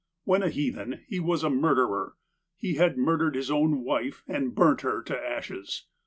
When a heathen he was a murderer : he had murdered his own wife and burnt her to ashes.